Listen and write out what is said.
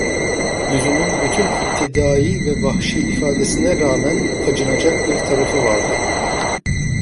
Yüzünün bütün iptidai ve vahşi ifadesine rağmen acınacak bir tarafı vardı.